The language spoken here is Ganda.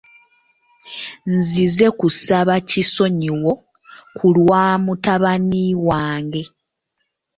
Nzize kusaba kisonyiwo ku lwa mutabani wange.